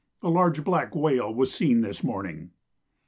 A large black whale was seen this morning.